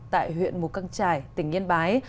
tại huyện mù căng trải tỉnh yên bái